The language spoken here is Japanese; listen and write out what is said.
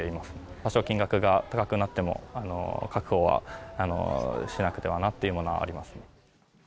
多少金額が高くなっても、確保はしなくてはなというのはありますね。